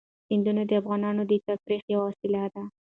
سیندونه د افغانانو د تفریح یوه وسیله ده.